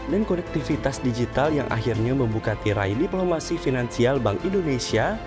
dan konektivitas digital yang akhirnya membuka tirai diplomasi finansial bank indonesia